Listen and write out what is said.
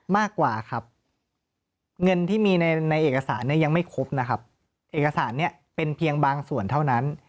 มากกว่าครับเงินที่มีในเอกสารเนี่ยยังไม่ครบนะครับเอกสารเนี่ยเป็นเพียงบางส่วนเท่านั้น